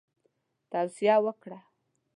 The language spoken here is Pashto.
توصیه وکړه.